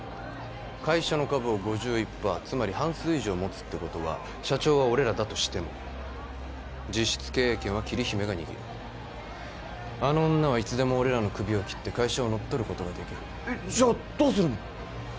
会社の株を５１パーつまり半数以上持つってことは社長は俺らだとしても実質経営権は桐姫が握るあの女はいつでも俺らのクビを切って会社を乗っ取ることができるえっじゃどうするの？